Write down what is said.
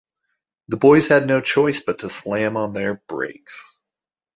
The boys had no choice but to slam on their brakes.